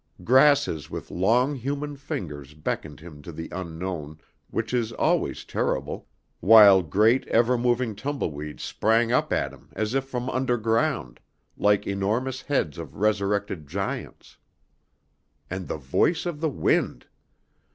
Grasses with long human fingers beckoned him to the Unknown, which is always terrible, while great ever moving tumbleweeds sprang up at him as if from underground, like enormous heads of resurrected giants. And the voice of the wind!